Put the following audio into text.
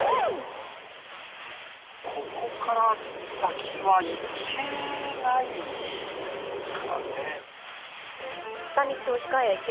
ここから先は行けないですか